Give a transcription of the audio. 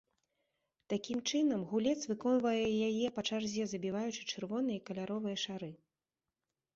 Такім чынам, гулец выконвае яе па чарзе забіваючы чырвоныя і каляровыя шары.